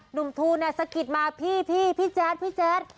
หนุ่มทูเน็ตสะกิดมาพี่พี่แจ๊ค